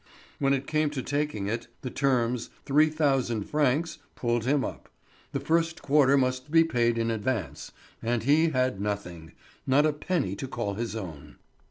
When it came to taking it, the terms—three thousand francs—pulled him up; the first quarter must be paid in advance, and he had nothing, not a penny to call his own.